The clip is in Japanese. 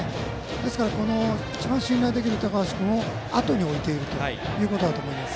ですから一番信頼できる高橋君をあとに置いているということだと思います。